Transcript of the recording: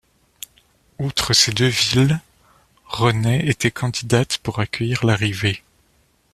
Outre ces deux villes, Renaix était candidate pour accueillir l'arrivée.